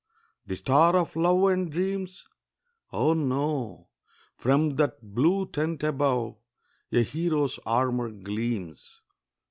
The star of love and dreams? Oh, no! from that blue tent above, A hero's armour gleams.